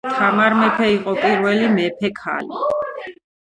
თამარი მეფე, იყო პირველი მეფე ქალი